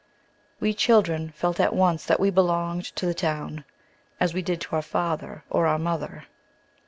We children felt at once that we belonged to the town, as we did to our father or our mother.